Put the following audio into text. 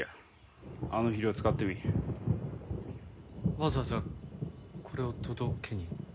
わざわざこれを届けに？